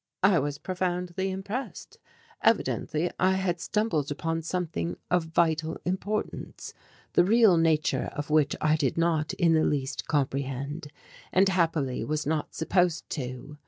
I was profoundly impressed. Evidently I had stumbled upon something of vital importance, the real nature of which I did not in the least comprehend, and happily was not supposed to.